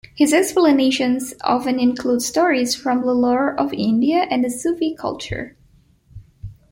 His explanations often include stories from the lore of India and the Sufi culture.